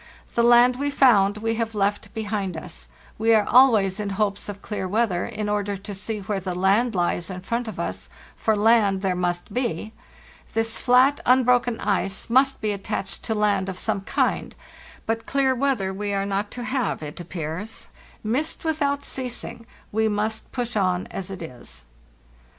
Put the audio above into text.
The land we found we have left behind us. We are always in hopes of clear weather, in order to see where the land lies in front of us—for land there must be. This flat, unbroken ice must be attached to land of some kind; but clear weather we are not to have, it appears. Mist without ceasing; we must push on as it 1s."